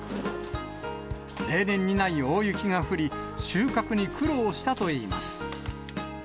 例年にない大雪が降り、収穫に苦労したといいます。